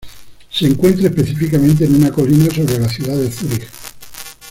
Se encuentra específicamente en una colina sobre la ciudad de Zúrich.